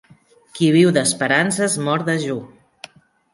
Qui viu d'esperances mor dejú.